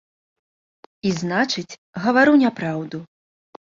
І значыць гавару няпраўду.